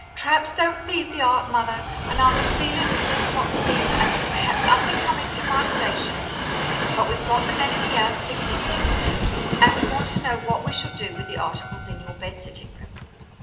Traps don't feed the heart, mother, and I've a feeling for Miss Fox Seton as is perhaps unbecoming to my station.' But we've got the men in the house ticketing things, miss, and we want to know what we shall do with the articles in your bed sitting room."